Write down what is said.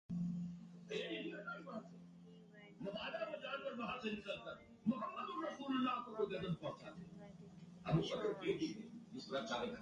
He is venerated solely in the Roman Catholic Church.